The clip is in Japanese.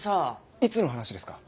いつの話ですか？